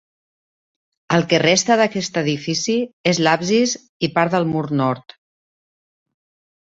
El que resta d'aquest edifici és l'absis i part del mur nord.